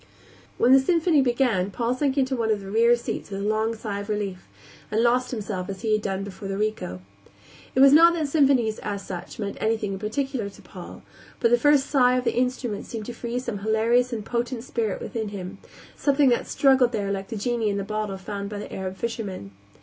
When the symphony began Paul sank into one of the rear seats with a long sigh of relief, and lost himself as he had done before the Rico. It was not that symphonies, as such, meant anything in particular to Paul, but the first sigh of the instruments seemed to free some hilarious and potent spirit within him; something that struggled there like the genie in the bottle found by the Arab fisherman.